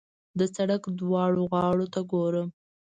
د سړک دواړو غاړو ته ګورم.